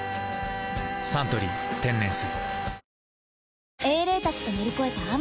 「サントリー天然水」